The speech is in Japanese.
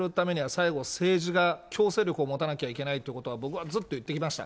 最後、政治が強制力を持たなきゃいけないということを僕はずっと言ってきました。